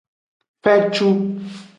Fencu.